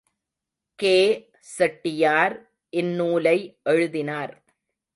K. Chettiar இந் நூலை எழுதினார்.